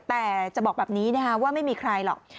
แต่จะบอกแบบนี้นะคะว่าไม่มีใครหรอก